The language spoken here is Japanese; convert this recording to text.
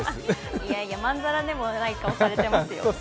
いやいや、まんざらでもない顔されてますよ。